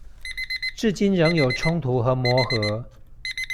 至今仍有衝突和磨合